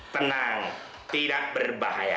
tenang tidak berbahaya